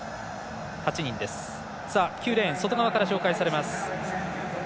９レーン、外側から紹介されます。